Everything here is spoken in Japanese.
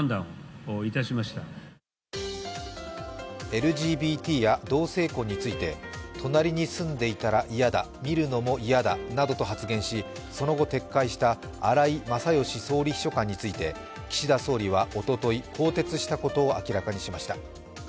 ＬＧＢＴや同性婚について隣に住んでいたら嫌だ、見るのも嫌だなどと発言しその後、撤回した荒井勝喜総理秘書官について岸田総理はおととい更迭したことを明らかにしました。